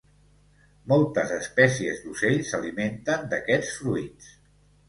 Moltes espècies d'ocells s'alimenten d'aquests fruits.